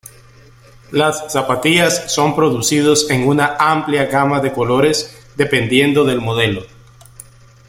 Las zapatillas son producidos en una amplia gama de colores dependiendo del modelo.